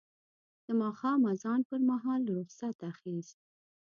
د ماښام اذان پر مهال رخصت اخیست.